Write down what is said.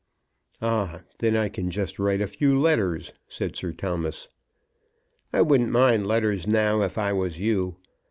"Ah; then I can just write a few letters," said Sir Thomas. "I wouldn't mind letters now if I was you.